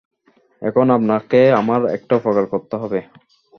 এখন আপনাকে আমার একটা উপকার করতে হবে।